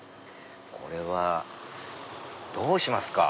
これはどうしますか？